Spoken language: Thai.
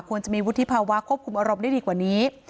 จะมีวุฒิภาวะควบคุมอารมณ์ได้ดีกว่านี้